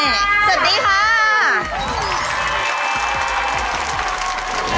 สวัสดีค่ะ